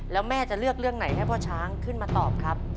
แล้วแม่จะเลือกเรื่องไหนให้พ่อช้างขึ้นมาตอบครับ